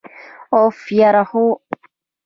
أف، یره خو!!